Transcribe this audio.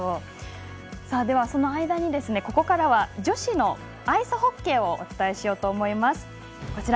では、その間にここからは女子アイスホッケーをお伝えしようと思います。